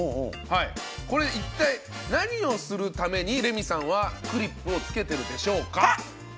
これ、一体何をするためにレミさんはクリップをつけてるでしょうか？